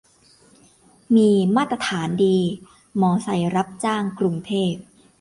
มีมาตรฐานดี มอเตอร์ไซค์รับจ้างกรุงเทพ